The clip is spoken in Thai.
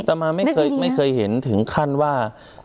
ต่อมาไม่เคยเห็นถึงขั้นว่า